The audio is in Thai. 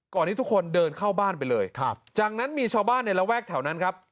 ที่ทุกคนเดินเข้าบ้านไปเลยครับจากนั้นมีชาวบ้านในระแวกแถวนั้นครับ